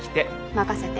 任せて。